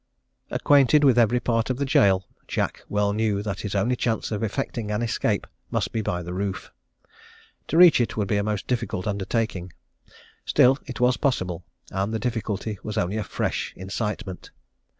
"Acquainted with every part of the gaol, Jack well knew that his only chance of effecting an escape must be by the roof. To reach it would be a most difficult undertaking. Still it was possible, and the difficulty was only a fresh incitement.